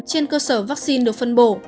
trên cơ sở vaccine được phân bổ